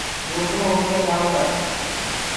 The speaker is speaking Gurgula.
ڏوڪرو هوڪي ٻيآئو ڪرس